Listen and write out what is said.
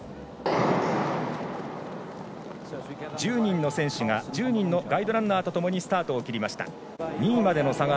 １０人の選手が１０人のガイドランナーとともにスタートを切りました。